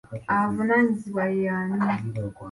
Avunaanyizibwa ye ani?